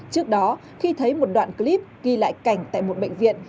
trước đó khi thấy một đoạn clip ghi lại cảnh tại một bệnh viện